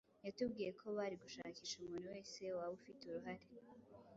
yatubwiye ko bari gushakisha umuntu wese waba ufite uruhare